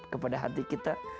kepada hati kita